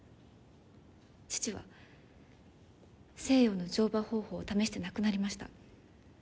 父は西洋の乗馬方法を試して亡くなりました。